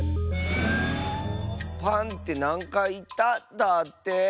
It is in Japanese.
「パンってなんかいいった？」だって。